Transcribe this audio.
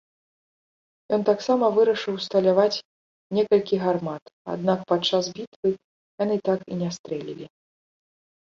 Ён таксама вырашыў усталяваць некалькі гармат, аднак падчас бітвы яны так і не стрэлілі.